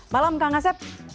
malam kang asep